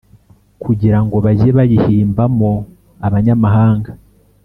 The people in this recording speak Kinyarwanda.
Kugira ngo bajye bayihambamo abanyamahanga